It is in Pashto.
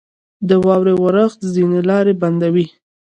• د واورې اورښت ځینې لارې بندوي.